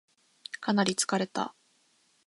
かなり疲れた